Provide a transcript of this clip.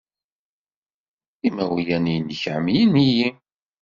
Imawlan-nnek ḥemmlen-iyi.